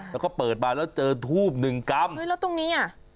แล้วก็เปิดมาแล้วเจอทูบหนึ่งกรัมเฮ้ยแล้วตรงนี้อ่ะ